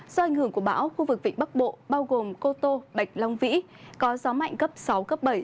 do ảnh hưởng của bão khu vực vịnh bắc bộ bao gồm cô tô bạch long vĩ có gió mạnh cấp sáu cấp bảy